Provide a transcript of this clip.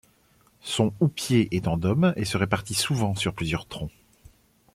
Son houppier est en dôme et se répartit souvent sur plusieurs troncs.